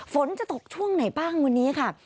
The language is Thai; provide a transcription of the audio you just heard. ฝนจะตกช่วงไหนบ้างวันนี้ค่ะ